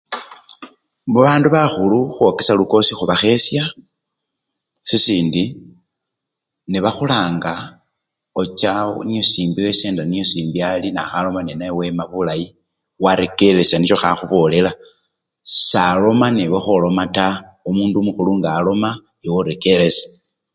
Babandu bakhulu khukhwokesya lukosi khubakhesya, sisindi nebakhulanga ocha niye simbi wesyenda simbi niyo ali, nakhaloma nenawe wema bulayi, warekeresya nisyo khakhubolela, saloma newe kholoma taa, omundu omukhulu ngaloma ewe orekeresya.